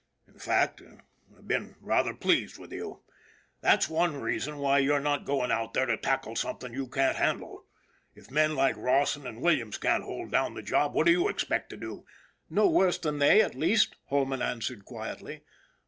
In fact, I've been rather pleased with you; that's one reason why you're not going out there to tackle something you can't handle. If men like Rawson and Williams can't hold down the job, what do you expect to do ?"" No worse than they, at least," Holman answered, quietly.